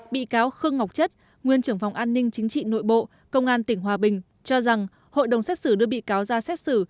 bị cáo khương ngọc chất nguyên trưởng phòng an ninh chính trị nội bộ công an tỉnh hòa bình cho rằng hội đồng xét xử đưa bị cáo ra xét xử